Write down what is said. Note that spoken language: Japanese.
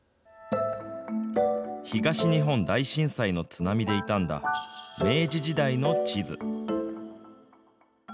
東日本大震災の津波で傷んだ、明治時代の地図。